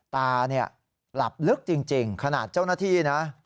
ตาหลับลึกจริงขนาดเจ้าหน้าที่